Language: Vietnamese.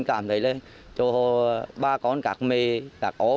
cảm thấy là cho họ ba con cạc mê cạc ốm